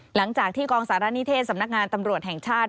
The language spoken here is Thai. หลังจากที่กองสารณิเทศสำนักงานตำรวจแห่งชาติ